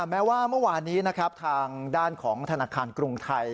แม้ว่าเมื่อวานนี้นะครับทางด้านของธนาคารกรุงไทย